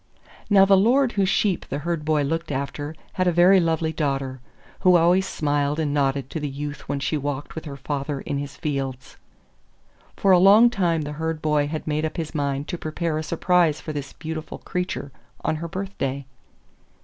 Now the Lord whose sheep the Herd boy looked after had a very lovely daughter, who always smiled and nodded to the youth when she walked with her father in his fields. For a long time the Herd boy had made up his mind to prepare a surprise for this beautiful creature on her birthday.